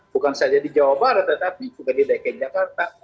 bukan saja di jawa barat tetapi juga di dki jakarta